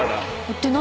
って何？